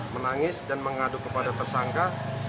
menangis dan mengadu kepada tersangka